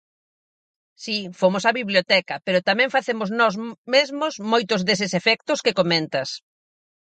Si, fomos á biblioteca pero tamén facemos nós mesmos moitos deses efectos que comentas.